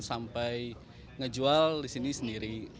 sampai ngejual di sini sendiri